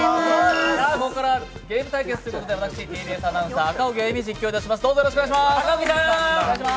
ここからゲーム対決ということで、私、ＴＢＳアナウンサー、赤荻歩が実況いたします。